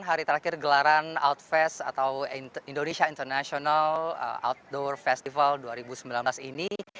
hari terakhir gelaran outfest atau indonesia international outdoor festival dua ribu sembilan belas ini